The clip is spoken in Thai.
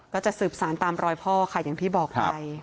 ก็จะสืบสารตามรอยพ่อค่ะอย่างที่บอกไป